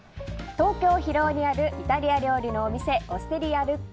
東京・広尾にあるイタリア料理のお店オステリアルッカ